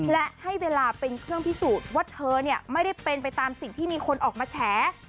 และให้เวลาเป็นเครื่องพิสูจน์ว่าเธอไม่ได้เป็นไปตามสิ่งที่มีคนออกมาแฉ